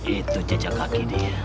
itu jejak kaki dia